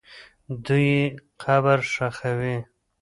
دوی یې قبر ښخوي.